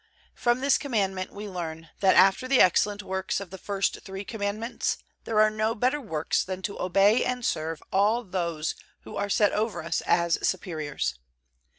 From this Commandment we learn that after the excellent works of the first three Commandments there are no better works than to obey and serve all those who are set over us as superiors.